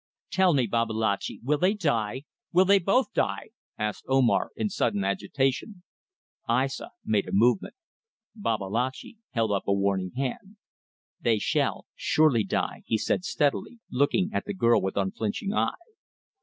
"Tell me, Babalatchi, will they die? Will they both die?" asked Omar, in sudden agitation. Aissa made a movement. Babalatchi held up a warning hand. "They shall, surely, die," he said steadily, looking at the girl with unflinching eye.